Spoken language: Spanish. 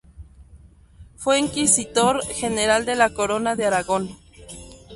Fue Inquisidor general de la Corona de Aragón.